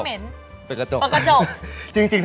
เกือบหลับได้หรือเปล่า